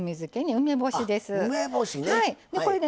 梅干しね。